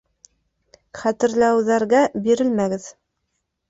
Хәтерләүҙәргә бирелмәгеҙ